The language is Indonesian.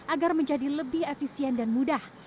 agar menjadi lebih efisien dan mudah